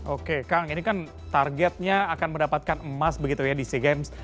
oke kang ini kan targetnya akan mendapatkan emas begitu ya di sea games